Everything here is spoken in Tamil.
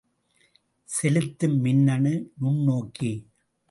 செலுத்தும் மின்னணு நுண்ணோக்கி.